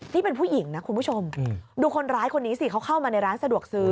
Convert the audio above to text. นี่เป็นผู้หญิงนะคุณผู้ชมดูคนร้ายคนนี้สิเขาเข้ามาในร้านสะดวกซื้อ